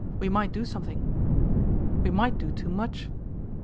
We might do something.' 'We might do too much.